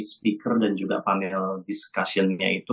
speaker dan juga panel discussion nya itu